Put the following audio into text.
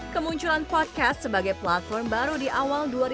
kemunculan podcast sebagai platform baru di awal